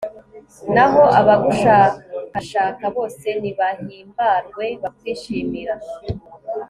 naho abagushakashaka bose nibahimbarwe bakwishimira